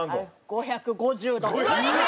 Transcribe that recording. ５５０度。